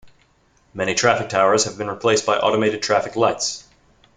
Many traffic towers have been replaced by automated traffic lights.